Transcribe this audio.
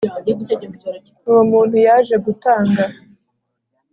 Uwo muntu yaje gutanga